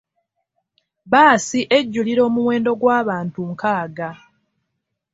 Bbaasi ejjulira omuwendo gw'abantu nkaaga.